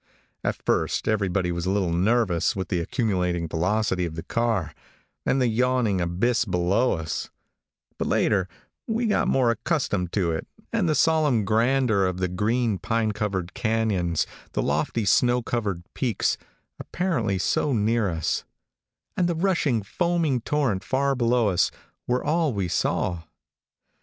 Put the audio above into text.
At first everybody was a little nervous with the accumulating velocity of the car, and the yawning abyss below us; but later we got more accustomed to it, and the solemn grandeur of the green pine covered canons, the lofty snow covered peaks, apparently so near us; and the rushing, foaming torrent far below us, were all we saw.